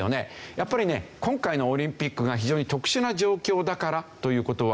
やっぱりね今回のオリンピックが非常に特殊な状況だからという事はあると思うんですね。